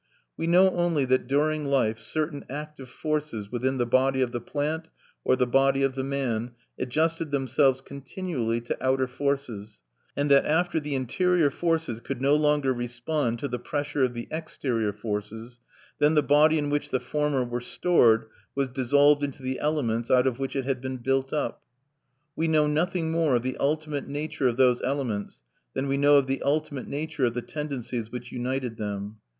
We know only that during life certain active forces within the body of the plant or the body of the man adjusted themselves continually to outer forces; and that after the interior forces could no longer respond to the pressure of the exterior forces, then the body in which the former were stored was dissolved into the elements out of which it had been built up. We know nothing more of the ultimate nature of those elements than we know of the ultimate nature of the tendencies which united them.